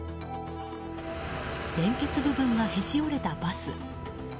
連結部分がへし折れたバス。